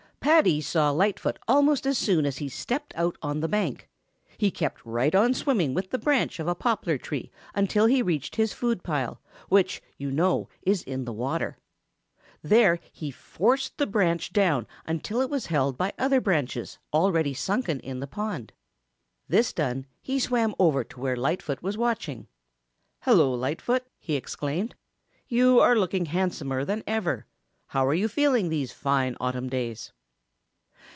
Paddy saw Lightfoot almost as soon as he stepped out on the bank. He kept right on swimming with the branch of a poplar tree until he reached his food pile, which, you know, is in the water. There he forced the branch down until it was held by other branches already sunken in the pond. This done, he swam over to where Lightfoot was watching. "Hello, Lightfoot!" he exclaimed. "You are looking handsomer than ever. How are you feeling these fine autumn days?"